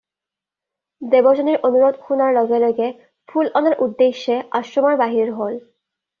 দেৱযানীৰ অনুৰোধ শুনাৰ লগে লগে ফুল অনাৰ উদ্দেশ্যে আশ্ৰমৰ বাহিৰ হ'ল।